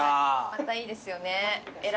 またいいですよね。